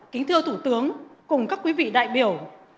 kính thưa thủ tướng cùng các quý vị đại biểu